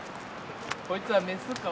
こいつはメスか？